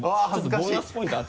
ボーナスポイント